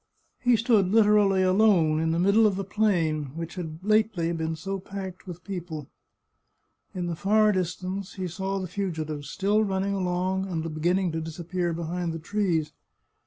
He stood literally alone in the middle 65 The Chartreuse of Parma of the plain, which had lately been so packed with people. In the far distance he saw the fugitives still running along and beginning to disappear behind the trees.